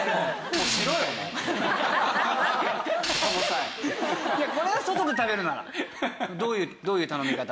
先生いやこれ外で食べるならどういう頼み方？